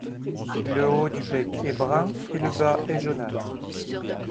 Le haut du bec est brun et le bas est jaunâtre.